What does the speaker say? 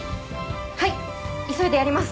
はい急いでやります。